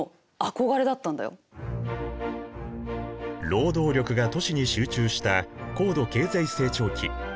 労働力が都市に集中した高度経済成長期。